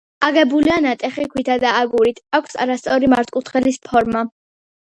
აგებულია ნატეხი ქვითა და აგურით, აქვს არასწორი მართკუთხედის ფორმა.